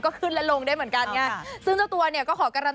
ขึ้นลิฟท์กันได้มั้ย